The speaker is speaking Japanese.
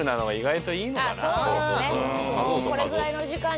はい！